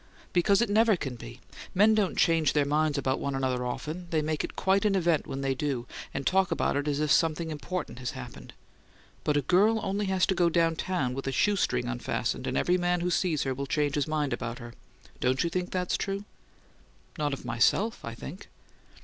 "Because it never can be. Men don't change their minds about one another often: they make it quite an event when they do, and talk about it as if something important had happened. But a girl only has to go down town with a shoe string unfastened, and every man who sees her will change his mind about her. Don't you know that's true?" "Not of myself, I think."